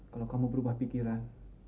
kalau kamu berubah pikiran